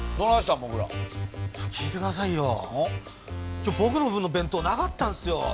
今日僕の分の弁当なかったんすよ。